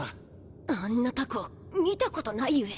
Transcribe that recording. あんなタコ見たことないゆえ。